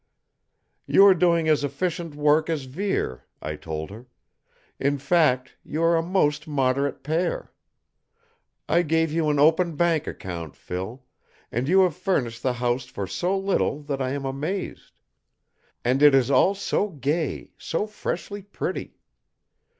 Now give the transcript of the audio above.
"You are doing as efficient work as Vere," I told her. "In fact, you are a most moderate pair! I gave you an open bank account, Phil; and you have furnished the house for so little that I am amazed. And it is all so gay, so freshly pretty!